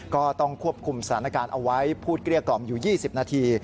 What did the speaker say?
ก็ต้องควบคุมสถานการณ์เอาไว้พูดเกลี้ยกล่อมอยู่๒๐นาที